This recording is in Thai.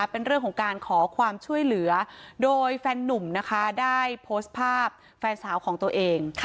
เป็นเรื่องของการขอความช่วยเหลือโดยแฟนนุ่มนะคะได้โพสต์ภาพแฟนสาวของตัวเอง